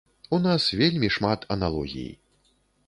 У нас вельмі шмат аналогій.